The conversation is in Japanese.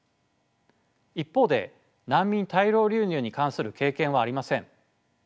一方で難民大量流入に関する経験はありません。